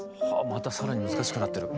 また更に難しくなってる。